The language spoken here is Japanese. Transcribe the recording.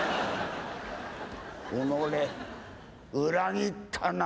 おのれ、裏切ったな。